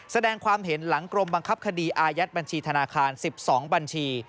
แสดงความเห็นหลังกรมบังคับคดีอายัดบัญชีธนาคาร๑๒บัญชี